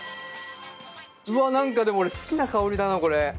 うわ何かでも俺好きな香りだなこれ。